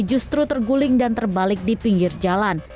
justru terguling dan terbalik di pinggir jalan